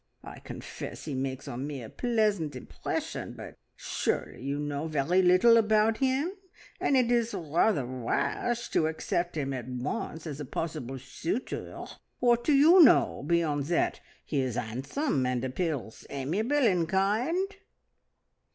I confess he makes on me a pleasant impression, but surely you know very little about him, and it is rather rash to accept him at once as a possible suitor. What do you know beyond that he is handsome, and appears amiable and kind?"